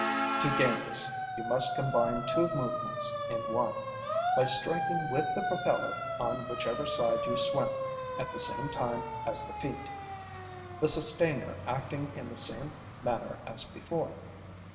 To gain this you must combine two movements in one, by striking with the propeller on whichever side you swim at the same time as the feet, the sustainer acting in the same manner as before.